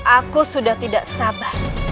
aku sudah tidak sabar